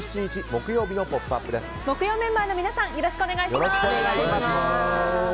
木曜メンバーの皆さんよろしくお願いします。